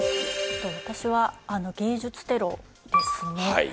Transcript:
私は、芸術テロですね。